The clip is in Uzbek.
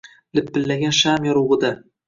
Lipillagan sham yorug’ida